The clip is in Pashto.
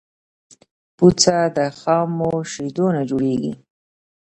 پوڅه د خامو شیدونه جوړیږی.